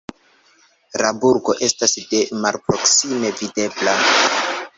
La burgo estas de malproksime videbla.